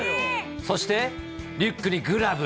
そして、リュックにグラブ。